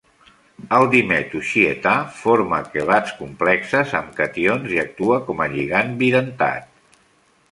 El dimetoxietà forma quelats complexes amb cations i actua com a lligant bidentat.